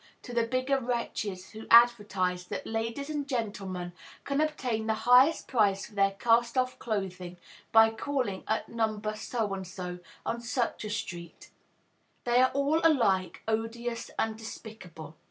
to the bigger wretches who advertise that "ladies and gentlemen can obtain the highest price for their cast off clothing by calling at No. so and so, on such a street," they are all alike odious and despicable.